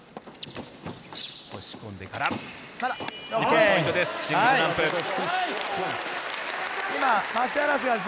押し込んでから、日本、ポイントです。